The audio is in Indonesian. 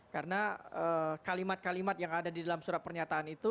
karena kalimat kalimat yang ada di dalam surat pernyataan itu